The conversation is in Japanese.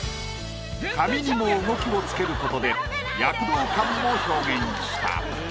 髪にも動きをつけることで躍動感も表現した。